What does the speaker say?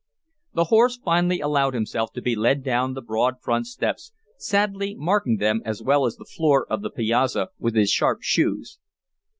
The horse finally allowed himself to be led down the broad front steps, sadly marking them, as well as the floor of the piazza, with his sharp shoes.